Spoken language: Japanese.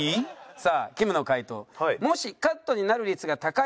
さあきむの回答。